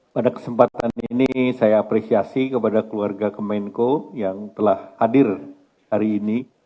pada kesempatan ini saya apresiasi kepada keluarga kemenko yang telah hadir hari ini